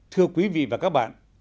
thưa quý vị và các bạn